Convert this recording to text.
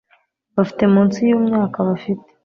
bafite munsi yumyaka bafite